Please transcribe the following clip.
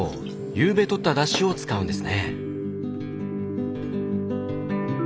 ゆうべとっただしを使うんですね。